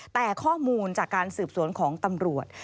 แต่ข้อมูลจากการสืบสวนของตำรวจ